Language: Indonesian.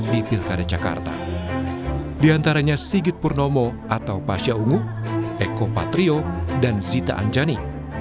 di antaranya sigit purnomo atau pasya ungu eko patrio dan zita anjani